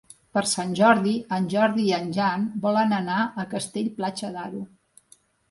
Per Sant Jordi en Jordi i en Jan volen anar a Castell-Platja d'Aro.